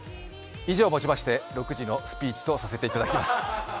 以上をもちまして６時のスピーチとさせていただきます。